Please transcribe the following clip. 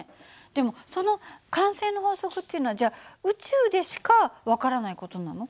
でもその慣性の法則っていうのはじゃあ宇宙でしか分からない事なの？